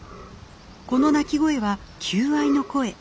この鳴き声は求愛の声。